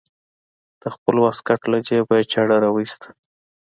د خپل واسکټ له جيبه يې چاړه راوايسته.